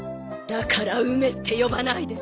だから梅って呼ばないで！